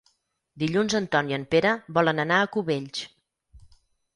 Dilluns en Ton i en Pere volen anar a Cubells.